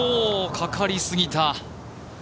かかりすぎた。